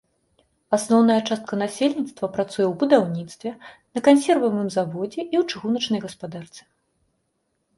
Асноўная частка насельніцтва працуе ў будаўніцтве, на кансервавым заводзе і ў чыгуначнай гаспадарцы.